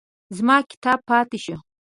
زما کتاب پاتې شو.